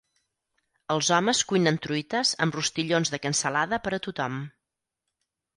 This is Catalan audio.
Els homes cuinen truites amb rostillons de cansalada per a tothom.